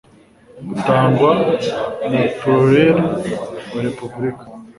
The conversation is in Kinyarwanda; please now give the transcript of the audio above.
rutangwa na proiireri wa repubulika